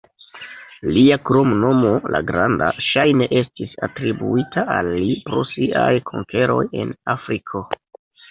Lia kromnomo, "La Granda", ŝajne estis atribuita al li pro siaj konkeroj en Afriko.